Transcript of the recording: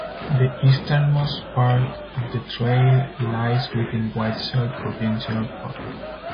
The easternmost part of the trail lies within Whiteshell Provincial Park.